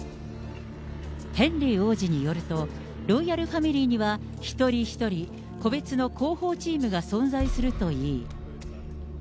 ヘンリー王子によると、ロイヤルファミリーには、一人一人、個別の広報チームが存在するといい。